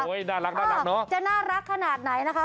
น่ารักเนอะจะน่ารักขนาดไหนนะคะ